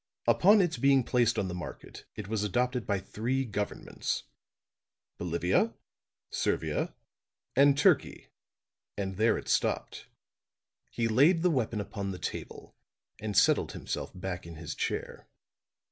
Upon its being placed on the market it was adopted by three governments Bolivia, Servia, and Turkey and there it stopped." He laid the weapon upon the table and settled himself back in his chair.